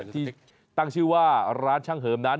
ที่ตั้งชื่อว่าร้านช่างเหิมนั้น